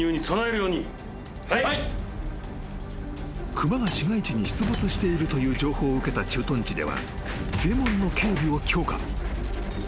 ［熊が市街地に出没しているという情報を受けた駐屯地では正門の警備を強化］